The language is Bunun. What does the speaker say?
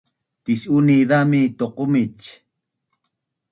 Tis’uni zami toqomic